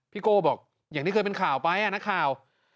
โก้บอกอย่างที่เคยเป็นข่าวไปนักข่าว